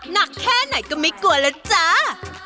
หนักแค่ไหนก็ไม่กลัวแล้วจ้า